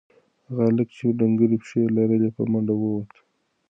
هغه هلک چې ډنگرې پښې لري په منډه ووت.